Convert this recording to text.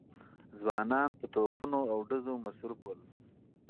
ځوانان په توپونو او ډزو مصروف ول.